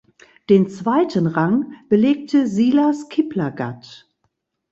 Den zweiten Rang belegte Silas Kiplagat.